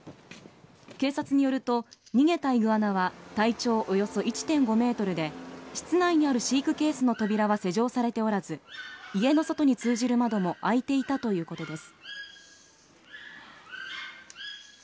警察によると逃げたイグアナは体長およそ１．５ｍで室内にある飼育ケースの扉は施錠されておらず家の外に通じる窓も開いていたということです。